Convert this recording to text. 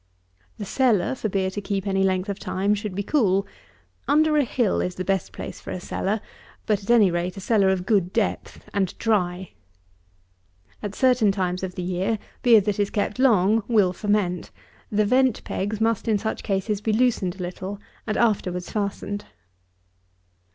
63. The cellar, for beer to keep any length of time, should be cool. Under a hill is the best place for a cellar; but, at any rate, a cellar of good depth, and dry. At certain times of the year, beer that is kept long will ferment. The vent pegs must, in such cases, be loosened a little, and afterwards fastened.